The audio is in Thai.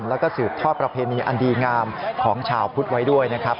แล้วก็สืบทอดประเพณีอันดีงามของชาวพุทธไว้ด้วยนะครับ